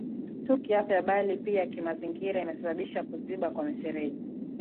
tu kiafya bali pia kimazingira Imesababisha kuziba kwa mifereji